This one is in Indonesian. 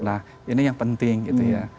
nah ini yang penting gitu ya